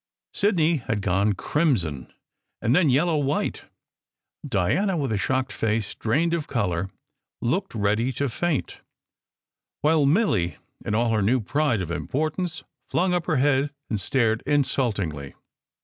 Sidney had gone crimson, and then yellow white; Diana with a shocked face drained of colour looked ready to faint; while Milly, in all her new pride of importance, flung up her head and stared insultingly.